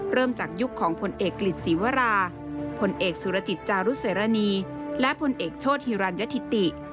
เริ่มจากยุคของพลเอกกฤษศรีวราพลเอกสุรจิตจารุเสรณีและผลเอกโชธฮิรัญธิติ